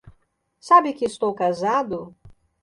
Sabe que estou casado?